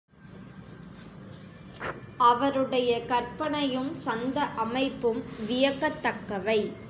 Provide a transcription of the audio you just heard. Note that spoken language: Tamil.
அவருடைய கற்பனையும் சந்த அமைப்பும் வியக்கத் தக்கவை.